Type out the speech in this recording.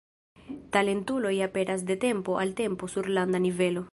Talentuloj aperas de tempo al tempo sur landa nivelo.